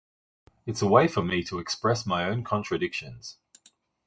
It's a way for me to express my own contradictions.